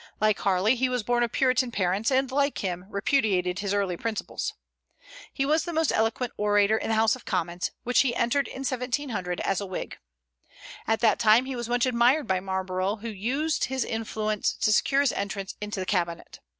Like Harley, he was born of Puritan parents, and, like him, repudiated his early principles. He was the most eloquent orator in the House of Commons, which he entered in 1700 as a Whig. At that time he was much admired by Marlborough, who used his influence to secure his entrance into the cabinet.